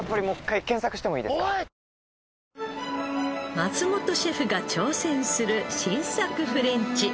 松本シェフが挑戦する新作フレンチ。